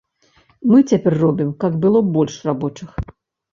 Мы цяпер робім, каб было больш рабочых.